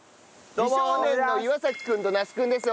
美少年の岩君と那須君です。